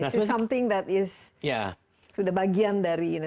itu sesuatu yang sudah bagian dari you know